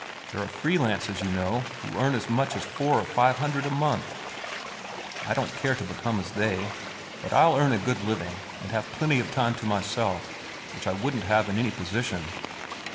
There are free lances, you know, who earn as much as four or five hundred a month. I don't care to become as they; but I'll earn a good living, and have plenty of time to myself, which I wouldn't have in any position."